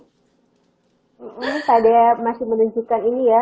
iya tadi masih menunjukkan ini ya